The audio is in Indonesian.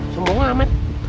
semoga lah matt